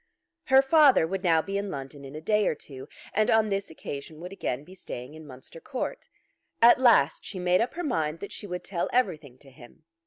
Her father would now be in London in a day or two, and on this occasion would again be staying in Munster Court. At last she made up her mind that she would tell everything to him.